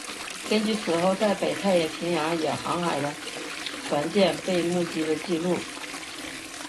根据此后在北太平洋也航海的船舰被目击的记录。